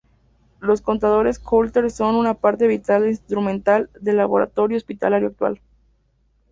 Los contadores Coulter son una parte vital del instrumental de laboratorio hospitalario actual.